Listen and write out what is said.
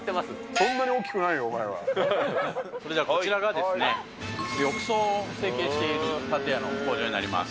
そんなに大きくないよ、それじゃ、こちらがですね、浴槽を成形している建屋の工場になります。